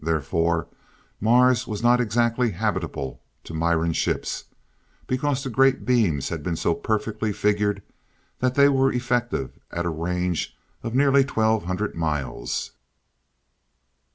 Therefore Mars was not exactly habitable to Miran ships, because the great beams had been so perfectly figured that they were effective at a range of nearly twelve hundred miles.